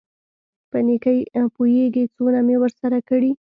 په نېکۍ پوېېږي څونه مې ورسره کړي.